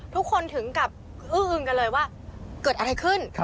ทุกคนถึงกับอื้ออึงกันเลยว่าเกิดอะไรขึ้น